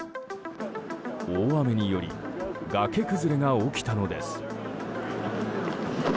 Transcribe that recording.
大雨により崖崩れが起きたのです。